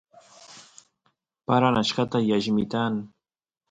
paran achkata y allimitan